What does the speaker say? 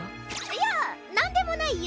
いやなんでもないよ。